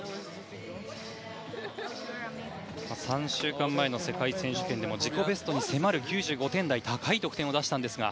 ３週間前の世界選手権でも自己ベストに迫る９５点台高い得点を出したんですが。